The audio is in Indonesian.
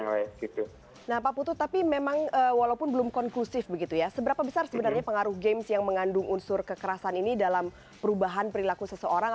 nah pak putu tapi memang walaupun belum konklusif begitu ya seberapa besar sebenarnya pengaruh games yang mengandung unsur kekerasan ini dalam perubahan perilaku seseorang